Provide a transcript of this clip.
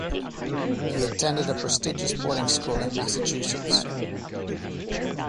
He attended a prestigious boarding school in Massachusetts.